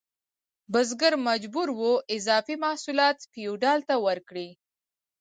بزګر مجبور و اضافي محصولات فیوډال ته ورکړي.